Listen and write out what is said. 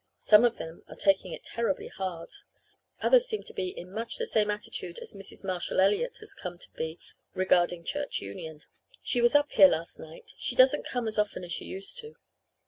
Some of them are taking it terribly hard. Others seem to be in much the same attitude as Mrs. Marshall Elliott has come to be regarding Church Union. "She was up here last night. She doesn't come as often as she used to.